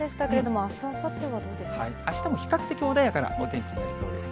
あしたも比較的穏やかなお天気になりそうですよ。